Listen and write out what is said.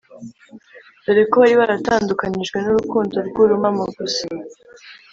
dore ko bari baratandukanijwe n'urukundo rw'urumamo gusa